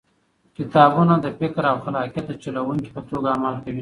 کتابونه د فکر او خلاقیت د چلوونکي په توګه عمل کوي.